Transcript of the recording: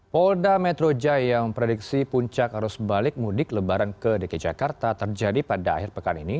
polda metro jaya yang memprediksi puncak arus balik mudik lebaran ke dki jakarta terjadi pada akhir pekan ini